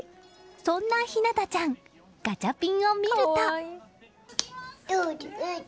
そんな陽向ちゃんガチャピンを見ると。